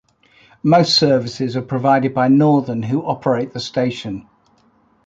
Most services are provided by Northern who operate the station.